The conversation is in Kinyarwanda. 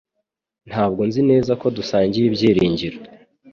Ntabwo nzi neza ko dusangiye ibyiringiro